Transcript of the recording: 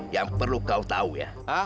yang perlu kau tahu ya